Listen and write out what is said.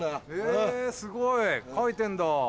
へぇすごい描いてんだ。